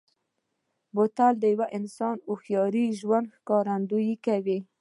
بوتل د یوه انسان هوښیار ژوند ښکارندوي کوي.